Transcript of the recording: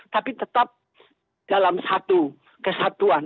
tapi tetap dalam satu kesatuan